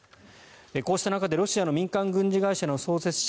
こうした中でロシアの民間軍事会社の創設者